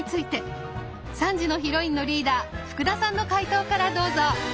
３時のヒロインのリーダー福田さんの解答からどうぞ！